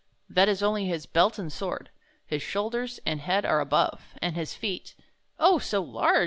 That is only his belt and sword. His shoulders and head are above, and his feet—" "Oh, so large!"